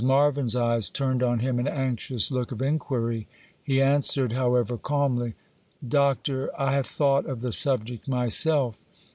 Marvyn's eyes turned on him an anxious look of inquiry. He answered, however, calmly:— 'Doctor, I have thought of the subject myself.